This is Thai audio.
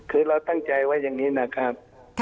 คือเราตั้งใจไว้อย่างนี้นะครับ